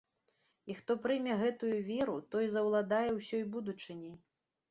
І хто прыме гэтую веру, той заўладае ўсёй будучыняй.